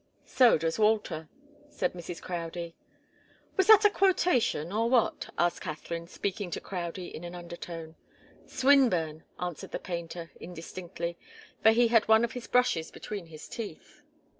"So does Walter," said Mrs. Crowdie. "Was that a quotation or what?" asked Katharine, speaking to Crowdie in an undertone. "Swinburne," answered the painter, indistinctly, for he had one of his brushes between his teeth.